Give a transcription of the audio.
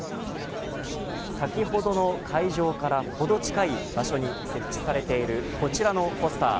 先ほどの会場からほど近い場所に設置されているこちらのポスター